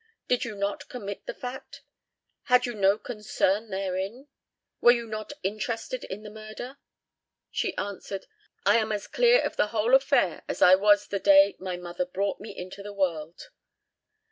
'Did you not commit the fact? Had you no concern therein? Were you not interested in the murder?' She answered, 'I am as clear of the whole affair as I was the day my mother brought me into the world.'